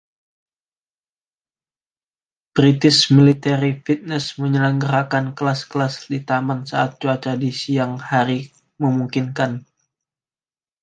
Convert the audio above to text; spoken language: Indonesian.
British Military Fitness menyelenggarakan kelas-kelas di taman saat cuaca di siang hari memungkinkan.